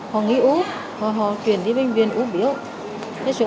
họ nghĩ ú họ chuyển đi bệnh viện ú biểu